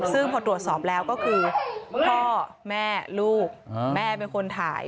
ซึ่งพอตรวจสอบแล้วก็คือพ่อแม่ลูกแม่เป็นคนถ่าย